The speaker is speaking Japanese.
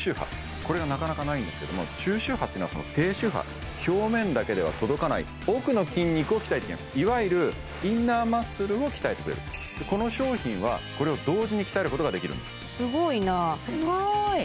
これがなかなかないんですけども中周波っていうのは低周波表面だけでは届かない奥の筋肉を鍛えていきますいわゆるインナーマッスルを鍛えてくれるこの商品はこれを同時に鍛えることができるんですすごいなすごい！